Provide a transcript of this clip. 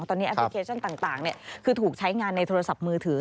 ตอนนี้แอปพลิเคชันต่างคือถูกใช้งานในโทรศัพท์มือถือ